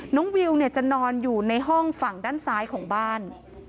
วิวจะนอนอยู่ในห้องฝั่งด้านซ้ายของบ้าน